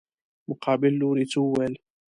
مقابل لوري څه وويل.